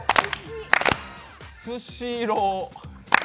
スシロー。